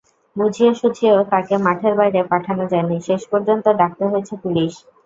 বুঝিয়ে-সুঝিয়েও তাঁকে মাঠের বাইরে পাঠানো যায়নি, শেষ পর্যন্ত ডাকতে হয়েছে পুলিশ।